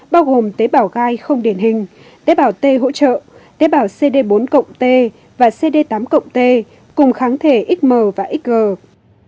bao gồm tế bảo gai không điển hình tế bảo t hỗ trợ tế bảo cd bốn t và cd tám t cùng kháng thể xm và xg